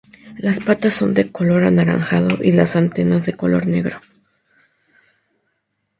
Las patas son de color anaranjado y las antenas de color negro.